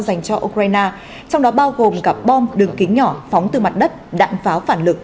dành cho ukraine trong đó bao gồm cả bom đường kính nhỏ phóng từ mặt đất đạn pháo phản lực